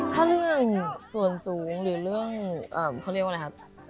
ถ้าเรื่องส่วนสูงหรือเรื่องเขาเรียกว่าอะไรครับ